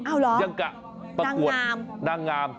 เอ้าเหรอนางงาม